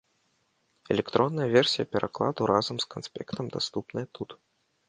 Электронная версія перакладу разам з канспектам даступная тут.